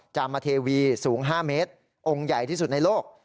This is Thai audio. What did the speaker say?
จามเทวีสูง๕เมตรองค์ใหญ่ที่สุดในโลก